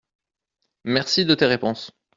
Merci de tes réponses.